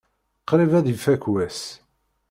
Qrib ad ifak wass.